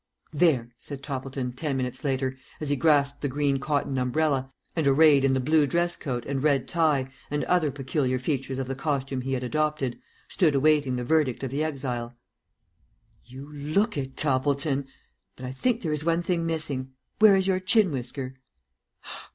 "There!" said Toppleton, ten minutes later, as he grasped the green cotton umbrella, and arrayed in the blue dress coat and red tie and other peculiar features of the costume he had adopted, stood awaiting the verdict of the exile. "You look it, Toppleton; but I think there is one thing missing. Where is your chin whisker?"